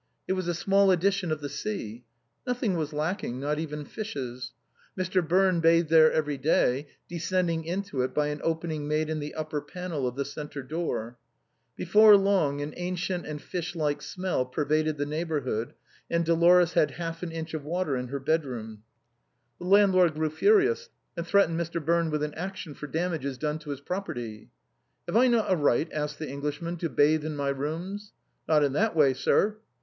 It was a small edition of the sea. Noth ing was lacking, not even fishes. Mr. Birne bathed there every day, descending into it by an opening made in the upper panel of the centre door. Before long an ancient 216 THE BOHEMIANS OP THE LATIN QUARTER. and fish like smell pervaded the neighborhood^ and Dolores had half an inch of water in her bed room. The landlord grew furious, and threatened Mr. Birne with an action for damages done to his property. " Have I not a right," asked the Englishman, " to bathe in my rooms ?"" Not in that way, sir."